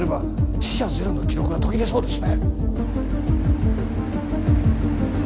死者ゼロの記録が途切れそうですね